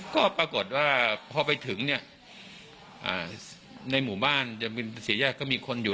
ก็ปรากฏว่าพอไปถึงเนี่ยอ่าในหมู่บ้านยังเป็นเสียยก็มีคนอยู่